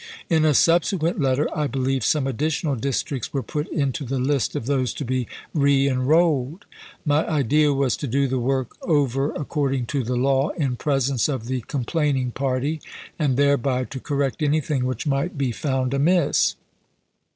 In a subsequent letter I believe some additional districts were put into the list of those to be reenrolled. My idea was to do the work over according to the law, in presence of the complaining THE LINCOLN SEYMOUR CORRESPONDENCE 43 party, and thereby to correct anything which might be found amiss.